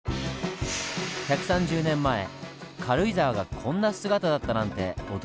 １３０年前軽井沢がこんな姿だったなんて驚きですね。